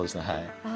はい。